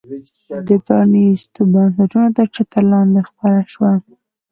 دا د پرانیستو بنسټونو تر چتر لاندې خپره شوه.